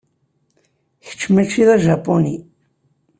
Kečč mačči d ajapuni.